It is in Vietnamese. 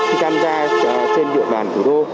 khi tham gia trên địa bàn thủ đô